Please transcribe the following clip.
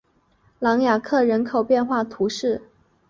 朗雅克人口变化图示